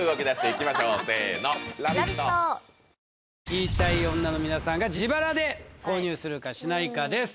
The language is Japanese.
言いたい女の皆さんが自腹で購入するかしないかです